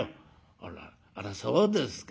「あらあらそうですか。